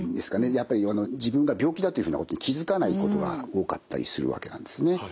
やっぱり自分が病気だというふうなことに気付かないことが多かったりするわけなんですね。